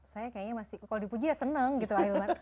saya kayaknya masih kalau dipuji ya seneng gitu ahilman